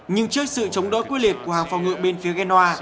nhưng trước sự chống đối quyết liệt của hàng phòng ngự bên phía genoa